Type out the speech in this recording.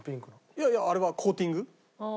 いやいやあれはコーティング。